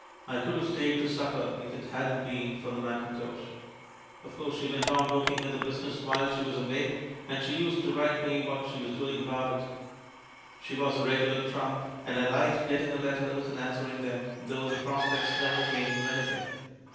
I could have stayed to supper if it hadn't been for the mackintosh ! "Of course she went on working at the business while she was away, and she used to write me what she was doing about it. She was a regular trump, and I liked getting her letters and an swering them, though the prospects never came to anything.